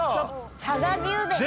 佐賀牛です！